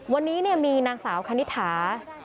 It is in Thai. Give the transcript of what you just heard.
วันนี้มีนางสาวคณิตถา